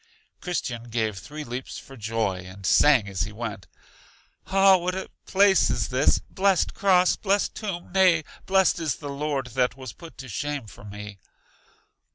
Christian gave three leaps for joy, and sang as he went: Ah, what a place is this! Blest cross! Blest tomb! Nay, blest is the Lord that was put to shame for me!